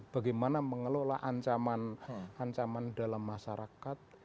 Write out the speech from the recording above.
bagaimana mengelola ancaman dalam masyarakat